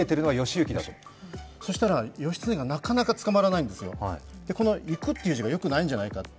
そうしたら義経がなかなか捕まらないんですよ。行くという字がよくないんじゃないかと。